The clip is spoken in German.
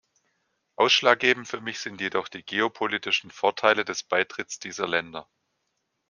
Ausschlaggebend für mich sind jedoch die geopolitischen Vorteile des Beitritts dieser Länder.